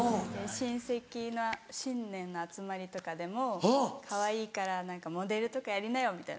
親戚の新年の集まりとかでも「かわいいから何かモデルとかやりなよ」みたいな。